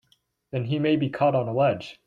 Then he may be caught on a ledge!